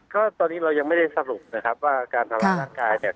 ก็ตอนนี้เรายังไม่ได้สรุปนะครับว่าการทำร้ายร่างกายเนี่ย